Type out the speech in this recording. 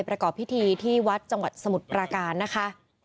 ประกอบพิธีที่วัดจังหวัดสมุทรปราการนะคะ